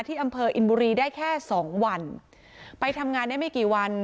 อำเภออินบุรีได้แค่สองวันไปทำงานได้ไม่กี่วัน